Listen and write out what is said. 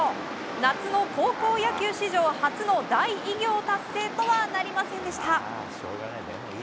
夏の高校野球史上初の大偉業達成とはなりませんでした。